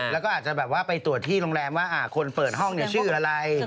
แล้วก็อาจจะแบบว่าไปตรวจที่โรงแรมว่าคนเปิดห้องชื่ออะไร